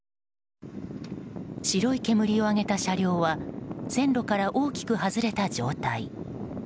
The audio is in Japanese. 白い煙を上げた車両は線路から大きく外れた状態。